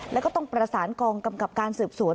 แล้วก็ต้องประสานกองกำกับการสืบสวน